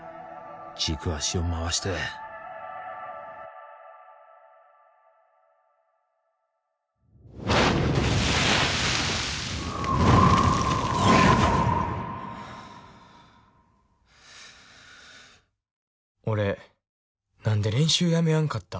軸足を回して俺何で練習やめやんかった？